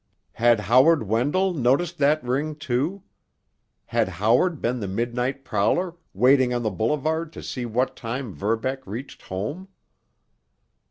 Had Howard Wendell noticed that ring, too? Had Howard been the midnight prowler waiting on the boulevard to see what time Verbeck reached home?